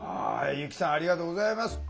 由希さんありがとうございます。